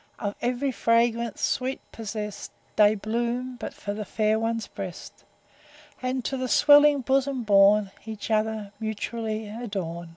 Of ev'ry fragrant sweet possest, They bloom but for the fair one's breast, And to the swelling bosom borne, Each other mutually adorn.